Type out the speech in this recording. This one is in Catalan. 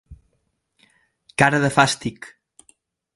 Cara de fàstic.